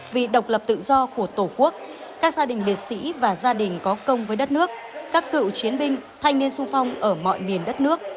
vì độc lập tự do của tổ quốc các gia đình liệt sĩ và gia đình có công với đất nước các cựu chiến binh thanh niên sung phong ở mọi miền đất nước